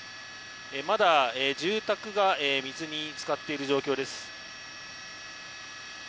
まだ住宅が水につかっている状況です。